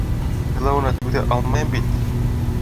Һыҙлауына түҙә алмайым бит!